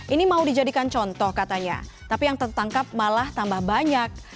ini mau dijadikan contoh katanya tapi yang tertangkap malah tambah banyak